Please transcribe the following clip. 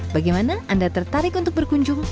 bagaimana anda tertarik untuk berkunjung